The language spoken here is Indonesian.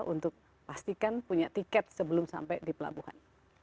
untuk pastikan punya tiket sebelum sampai di pelabuhan